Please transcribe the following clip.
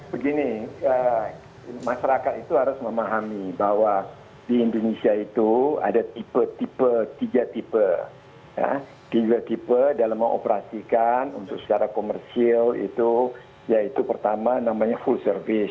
begini masyarakat itu harus memahami bahwa di indonesia itu ada tiga tipe dalam mengoperasikan secara komersil yaitu pertama namanya full service